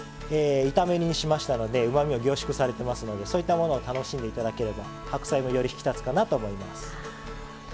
炒め煮にしましたのでうまみが凝縮されてますのでそういったものを楽しんで頂ければ白菜もより引き立つかなと思います。